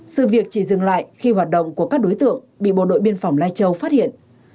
sự việc chỉ dừng lại khi hoạt động của các đối tượng bị bộ đội biên phòng lai châu phát hiện